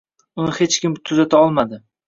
Uni hech kim tuzata olmadi.